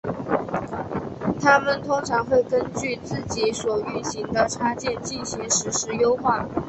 它们通常会根据自己所运行的插件进行实时优化。